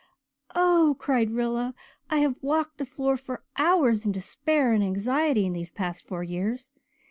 "Oh," cried Rilla, "I have walked the floor for hours in despair and anxiety in these past four years.